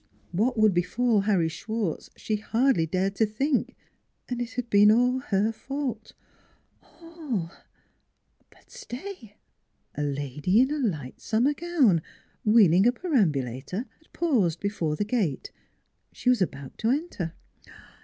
What would befall Harry 202 NEIGHBORS Schwartz, she hardly dared to think; and it had been all her fault all! But stay a lady in a light summer gown, wheeling a perambulator had paused before the gate. She was about to enter.